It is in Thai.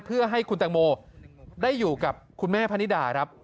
เพื่อให้คุณตังโมได้อยู่กับคุณแม่พนิดาครับ